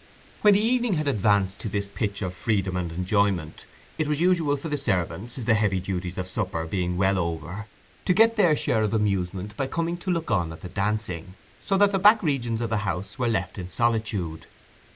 When the evening had advanced to this pitch of freedom and enjoyment, it was usual for the servants, the heavy duties of supper being well over, to get their share of amusement by coming to look on at the dancing; so that the back regions of the house were left in solitude.